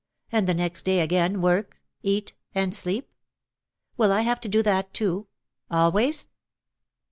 And the next day again work, eat, and sleep? Will I have to do that too? Always?"